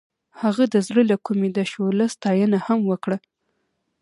هغې د زړه له کومې د شعله ستاینه هم وکړه.